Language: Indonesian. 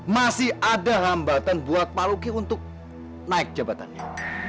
masih ada hambatan buat pak luki untuk naik jabatannya